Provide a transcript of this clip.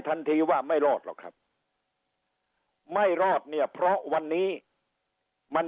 ทันทีว่าไม่รอดหรอกครับไม่รอดเนี่ยเพราะวันนี้มัน